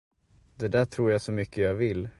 Det där tror jag, så mycket jag vill.